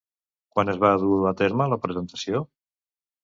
Quan es va dur a terme la presentació?